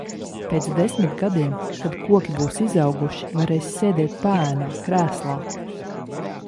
Pēc desmit gadiem kad koki būs izauguši, varēsi sēdēt paēnā, krēslā.